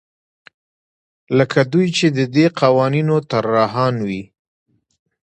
لکه دوی چې د دې قوانینو طراحان وي.